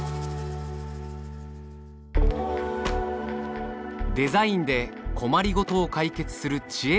デザインで困りごとを解決する知恵を集めた本。